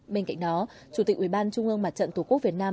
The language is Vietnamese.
bên cạnh đó chủ tịch ủy ban trung ương mặt trận tổ quốc việt nam